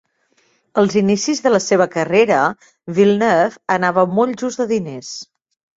Als inicis de la seva carrera, Villeneuve anava molt just de diners.